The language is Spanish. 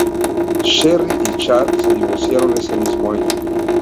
Sherri y Chad se divorciaron ese mismo año.